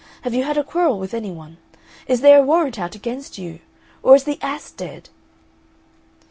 Have you had a quarrel with any one? Is there a warrant out against you? Or is the ass dead?"